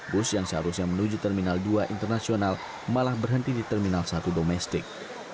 bus yang seharusnya menuju terminal dua internasional malah berhenti di terminal satu domestik